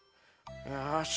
よし。